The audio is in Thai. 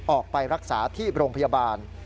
ออกไปรักษาที่โรงพยาบาล